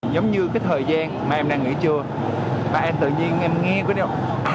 giống như cái thời gian mà em đang nghỉ trưa và em tự nhiên em nghe cái điều